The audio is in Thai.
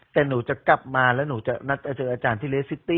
แต่หนูจะกลับมาแล้วหนูจะนัดเจออาจารย์ที่